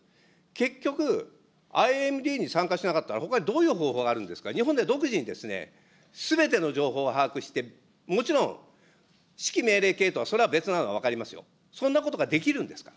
結局、ＩＡＭＤに参加しなかったら、ほかにどういう方法があるんですか、日本で独自にすべての情報を把握して、もちろん指揮命令系統はそれは別なのは分かりますよ。